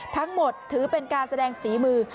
ทั้งหมดถือเป็นการแสดงฝีมือ